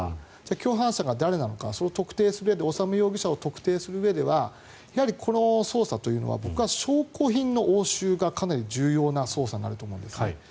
共犯者が誰なのか修容疑者を特定するうえではこの捜査というのは僕は証拠品の押収がかなり重要な捜査になると思うんですね。